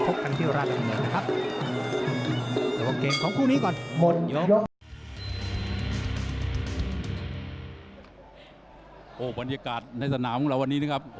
พบกันที่ราชดำเนินนะครับ